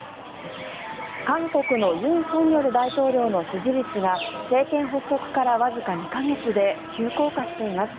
韓国の尹錫悦大統領の支持率が政権発足からわずか２か月で急降下しています。